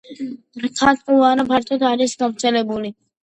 რქატყუარა ფართოდ არის გავრცელებული.